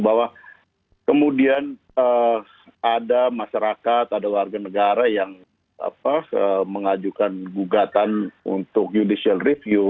bahwa kemudian ada masyarakat ada warga negara yang mengajukan gugatan untuk judicial review